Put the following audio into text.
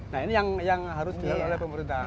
nah ini yang harus dilakukan oleh pemerintah